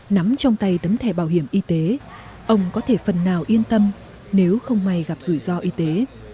nắm trong tay tấm thẻ bảo hiểm y tế ông có thể phần nào yên tâm nếu không may gặp rủi ro y tế